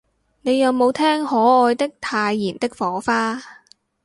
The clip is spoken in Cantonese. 你有無聽可愛的太妍的火花